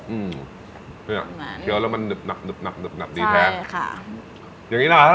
อืมเนี่ยเชียวแล้วมันหนึบหนับดีแท้ใช่ค่ะ